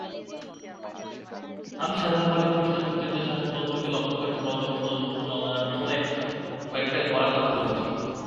আমি সাধারণভাবে খ্রীষ্টান-পরিচালিত শাসনতন্ত্রকে লক্ষ্য করে সরলভাবে সমালোচনার ছলে কয়েকটা কড়া কথা বলেছি।